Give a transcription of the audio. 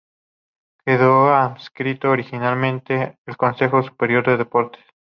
Quedó adscrito orgánicamente el Consejo Superior de Deportes.